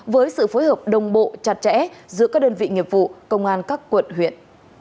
với sự phối hợp đồng bộ chặt chẽ giữa các đơn vị nghiệp vụ công an các quận huyện